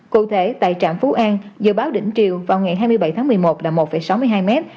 cụ thể tại trạm phú an dự báo đỉnh chiều vào ngày hai mươi bảy tháng một mươi một là một sáu mươi hai mét